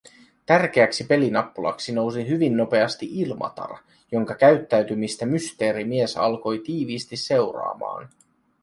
Tärkeäksi pelinappulaksi nousi hyvin nopeasti Ilmatar, jonka käyttäytymistä Mysteerimies alkoi tiiviisti seuraamaan.